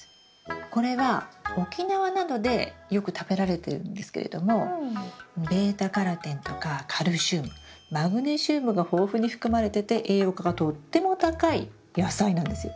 これは沖縄などでよく食べられてるんですけれどもβ−カロテンとかカルシウムマグネシウムが豊富に含まれてて栄養価がとっても高い野菜なんですよ。